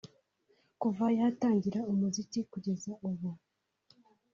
Kuva yatangira umuziki kugeza ubu